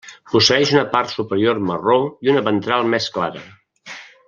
Posseeix una part superior marró i una ventral més clara.